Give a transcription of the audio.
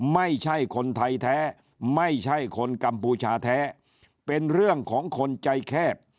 ไม่ใช่คนไทยแท้ไม่ใช่คนกัมพูชาแท้เป็นเรื่องของคนใจแคบ